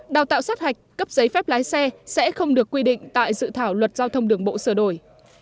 đào tạo sát hạch cấp giấy phép lái xe sẽ không được quy định tại dự thảo luật giao thông đường bộ sửa đổi